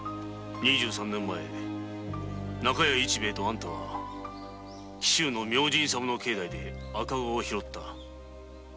２３年前中屋市兵ヱとあんたは紀州の明神様の境内で赤子を拾った。